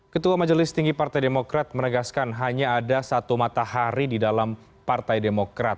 ketua majelis tinggi partai demokrat menegaskan hanya ada satu matahari di dalam partai demokrat